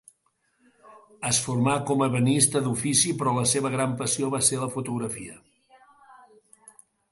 Es formà com ebenista d'ofici però la seva gran passió va ser la fotografia.